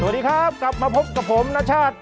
สวัสดีครับกลับมาพบกับผมนชาติ